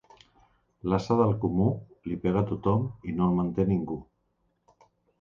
L'ase del comú, li pega tothom i no el manté ningú.